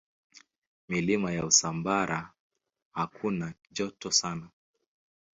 Milima ya Usambara hakuna joto sana.